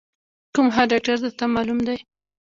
کوم ښه ډاکتر درته معلوم دی؟